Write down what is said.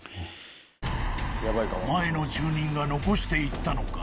前の住人が残していったのか？